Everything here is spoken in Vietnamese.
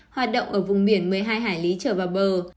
hoạt động ở vùng biển một mươi hai hải lý trở vào bờ